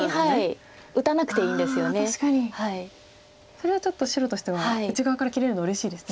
それはちょっと白としては内側から切れるのはうれしいですね。